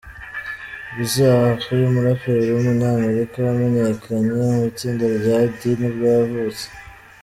Bizarre, umuraperi w’umunyamerika wamenyekanye mu itsinda rya D nibwo yavutse.